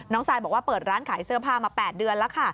ซายบอกว่าเปิดร้านขายเสื้อผ้ามา๘เดือนแล้วค่ะ